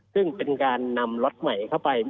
ซึ่งเป็นการนำล็อตใหม่เข้าไป